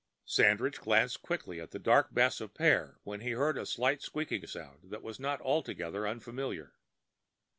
Sandridge glanced quickly at the dark mass of pear when he heard a slight squeaking sound that was not altogether unfamiliar.